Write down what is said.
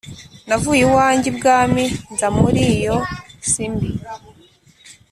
Navuye iwanjye ibwami nza muri iyo si mbi